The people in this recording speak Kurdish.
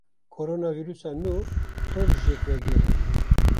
Koronavîrusa nû pir jêkvegir e.